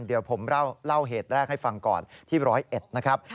เดี๋ยวผมเล่าเหตุแรกให้ฟังก่อนที่๑๐๑นะครับ